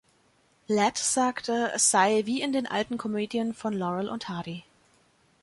Ladd sagte, es sei wie in den alten Komödien von Laurel und Hardy.